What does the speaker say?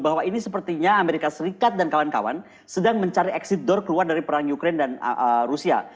bahwa ini sepertinya amerika serikat dan kawan kawan sedang mencari exit door keluar dari perang ukraine dan rusia